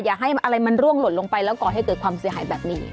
อย่าให้อะไรมันร่วงหล่นลงไปแล้วก่อให้เกิดความเสียหายแบบนี้